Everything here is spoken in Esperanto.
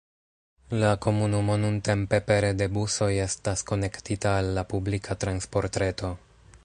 La komunumo nuntempe pere de busoj estas konektita al la publika transportreto.